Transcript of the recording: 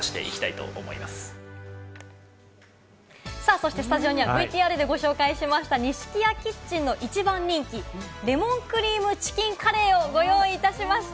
そしてスタジオにはＶＴＲでご紹介しましたニシキヤキッチンの一番人気、レモンクリームチキンカレーをご用意いたしました。